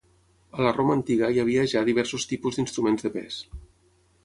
A la Roma antiga hi havia ja diversos tipus d'instruments de pes.